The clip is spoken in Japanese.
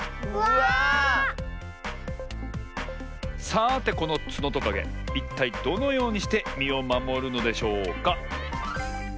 さてこのツノトカゲいったいどのようにしてみをまもるのでしょうか？